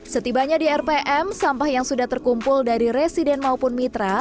setibanya di rpm sampah yang sudah terkumpul dari residen maupun mitra